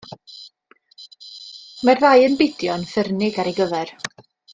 Mae'r ddau yn bidio yn ffyrnig ar ei gyfer.